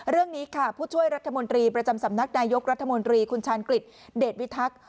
เรื่องนี้ค่ะผู้ช่วยรัฐมนตรีประจำสำนักนายกรัฐมนตรีคุณชาญกฤษเดชวิทักษ์